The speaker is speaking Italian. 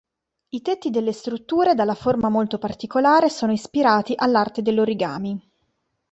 I tetti delle strutture, dalla forma molto particolare, sono ispirati all'arte dell'origami.